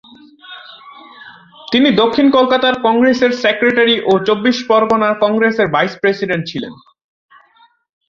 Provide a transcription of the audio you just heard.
তিনি দক্ষিণ কলকাতার কংগ্রেসের সেক্রেটারি ও চব্বিশ-পরগনার কংগ্রেসের ভাইস-প্রেসিডেন্ট ছিলেন।